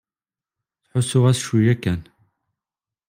Ttḥussuɣ-as cwiya kan.